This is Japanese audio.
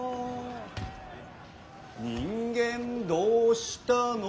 「人間どうしたの？」